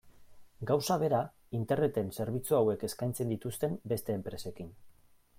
Gauza bera Interneten zerbitzu hauek eskaintzen dituzten beste enpresekin.